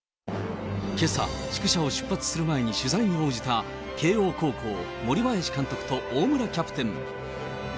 けさ、宿舎を出発する前に取材に応じた慶応高校、森林監督と大村キャプテン。